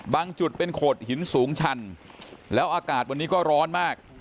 จุดเป็นโขดหินสูงชันแล้วอากาศวันนี้ก็ร้อนมาก